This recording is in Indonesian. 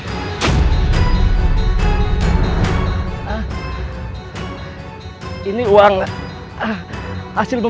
kalian tidak di mp stories